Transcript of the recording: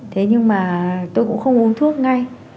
thế nhưng mà tôi cũng không uống thuốc ngay